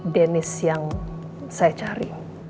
denis yang saya cari